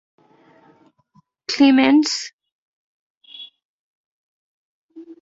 Clements.